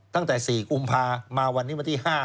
ตั้งแต่๔กุมภามาวันนี้วันที่๕